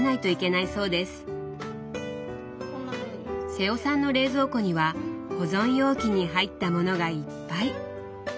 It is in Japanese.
瀬尾さんの冷蔵庫には保存容器に入ったものがいっぱい。